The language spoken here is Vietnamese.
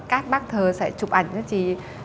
các bác thờ sẽ chụp ảnh cho chị